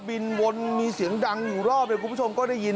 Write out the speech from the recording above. วนมีเสียงดังอยู่รอบเลยคุณผู้ชมก็ได้ยิน